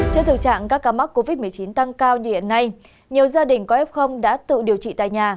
trên thực trạng các ca mắc covid một mươi chín tăng cao như hiện nay nhiều gia đình có f đã tự điều trị tại nhà